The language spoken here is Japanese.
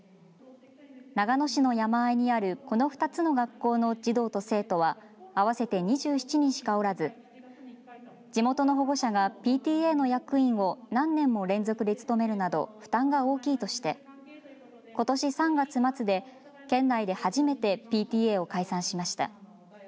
長野市の山あいにあるこの２つの学校の児童と生徒は合わせて２７人しかおらず地元の保護者がＰＴＡの役員を何年も連続で務めるなど負担が大きいとしてことし３月末で県内で初めてＰＴＡを解散しました。